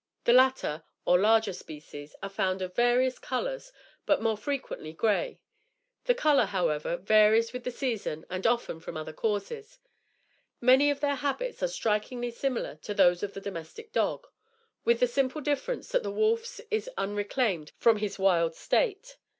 The latter, or larger species, are found of various, colors, but more frequently grey. The color, however, varies with the season and often from other causes. Many of their habits are strikingly similar to those of the domestic dog, with the simple difference that the wolf is unreclaimed from his wild state.